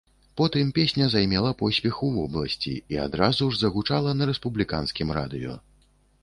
Потым песня займела поспех у вобласці і адразу ж загучала на рэспубліканскім радыё.